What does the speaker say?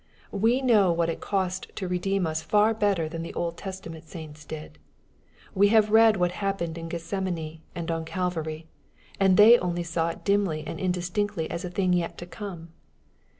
We know what it cost to redeem us far better than the Old Testament saints did. We have read what happened in Gethsemane and on Calvary, and they only saw it dimly and indistinctly as a thing yet to come.